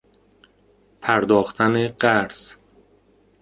پرداختن قرض